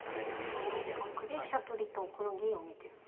７一角で飛車取りとこの銀を見てるんですね。